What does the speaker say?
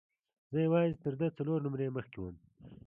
زه یوازې تر ده څلور نمرې مخکې وم.